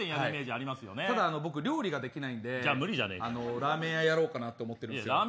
ただ僕、料理ができないんでラーメン屋やろうかなと思ってるんです。